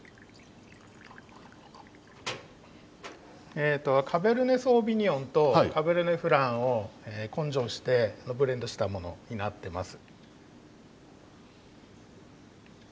えっとカベルネソーヴィニヨンとカベルネフランを混醸してブレンドしたものになってます。